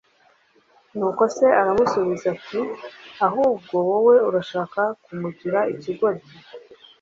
Nuko se arasubiza ati: Ahubwo wowe urashaka kumugira ikigoryi.